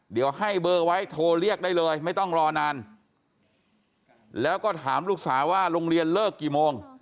เดี๋ยวให้เบอร์ไว้โทรเรียกได้เลยไม่ต้องรอนานแล้วก็ถามลูกสาวว่าโรงเรียนเลิกกี่โมง